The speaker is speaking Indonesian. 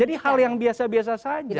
jadi hal yang biasa biasa saja